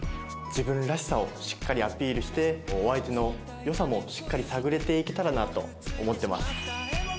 自分らしさをしっかりアピールしてお相手の良さもしっかり探っていけたらなと思ってます。